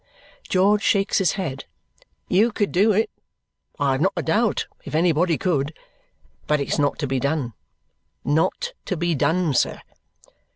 George shakes his head. "You could do it, I have not a doubt, if anybody could; but it's not to be done. Not to be done, sir!